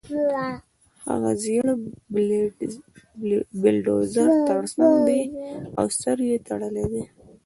هغه د زېړ بلډیزور ترڅنګ دی او سر یې تړلی دی